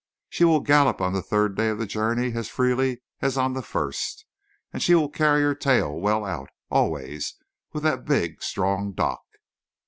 She will gallop on the third day of the journey as freely as on the first. And she will carry her tail well out, always, with that big, strong dock."